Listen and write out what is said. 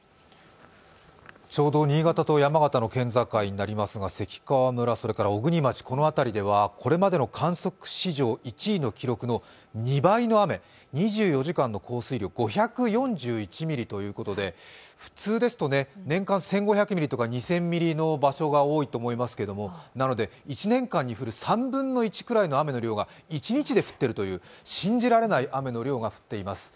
ちょうど新潟と山形の県境になりますが、関川村、それから小国町この辺りではこれまでの観測史上１位の記録の２倍の雨、２４時間の降水量が５４１ミリということで、普通ですと年間１５００ミリとか２０００ミリの場所が多いと思いますけれども、なので、１年間に降る３分の１位くらいの雨の量が一日で降っているという信じられない雨の量が降っています。